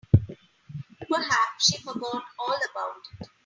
Perhaps she forgot all about it.